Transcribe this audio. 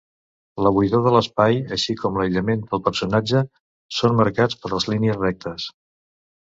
La buidor de l'espai, així com l'aïllament del personatge són marcats per les línies rectes.